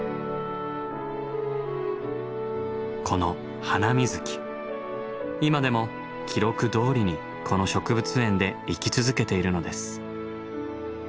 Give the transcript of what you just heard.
この今でも記録どおりにこの植物園で生き続けているのです。